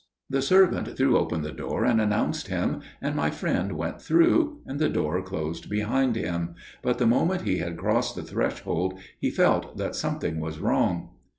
"The servant threw open the door and announced him, and my friend went through, and the door closed behind him: but the moment he had crossed the threshold he felt that something was wrong.